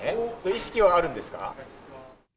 意識はあるんですか？